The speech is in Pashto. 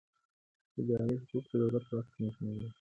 اداري حقوق د دولت واک تنظیموي.